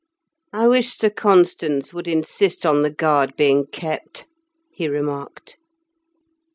"I wish Sir Constans would insist on the guard being kept," he remarked.